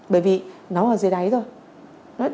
bởi vì nó ở dưới đáy thôi